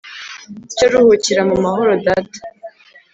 cyo ruhukira mumahoro data